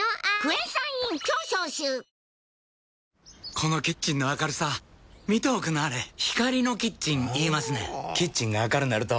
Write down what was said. このキッチンの明るさ見ておくんなはれ光のキッチン言いますねんほぉキッチンが明るなると・・・